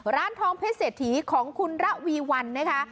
ร้านทองเพชรเศรษฐีของคุณระวีวันนะคะ